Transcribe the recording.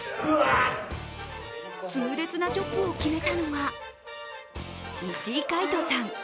痛烈なチョップを決めたのは石井海翔さん。